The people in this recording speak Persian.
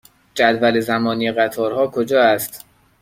جدول زمانی قطارها کجا است؟